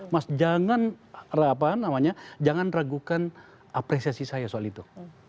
mas jangan ragukan apresiasi saya soal itu